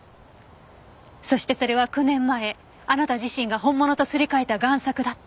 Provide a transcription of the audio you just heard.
そしてそれは９年前あなた自身が本物とすり替えた贋作だった。